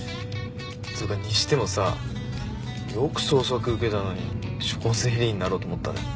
つうかにしてもさよく捜索受けたのに徴税吏員になろうと思ったね。